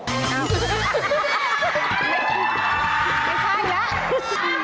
อ้าว